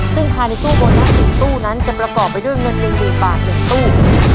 ซึ่งภายในตู้โบนัส๑ตู้นั้นจะประกอบไปด้วยเงิน๑๐๐๐บาท๑ตู้